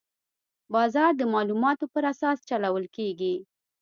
بازار د معلوماتو پر اساس چلول کېږي.